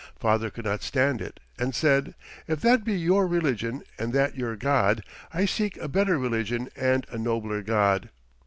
Father could not stand it and said: "If that be your religion and that your God, I seek a better religion and a nobler God."